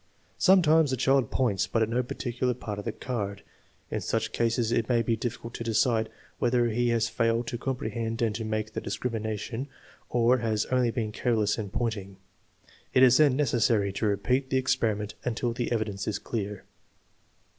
Sometimes the child points, but at no particular part of the card. In such cases it may be difficult to decide whether he has failed to comprehend and to make the discrimination or has only been careless in pointing. It is then necessary to repeat the experiment until the evidence is clear.